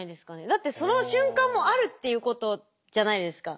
だってその瞬間もあるっていうことじゃないですか。